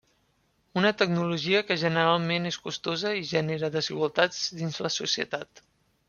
Una tecnologia que generalment és costosa i genera desigualtats dins de la societat.